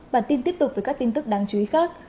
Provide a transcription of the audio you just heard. bản tin tiếp tục với các tin tức đáng chú ý khác